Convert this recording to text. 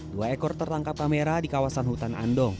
dua ekor tertangkap kamera di kawasan hutan andong